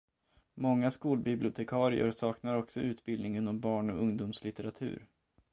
Många skolbibliotekarier saknar också utbildning inom barn- och ungdomslitteratur.